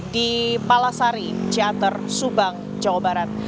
di palasari ciater subang jawa barat